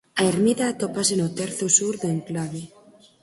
A ermida atópase no terzo sur do enclave.